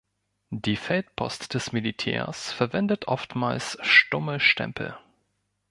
Die Feldpost des Militärs verwendet oftmals "stumme Stempel".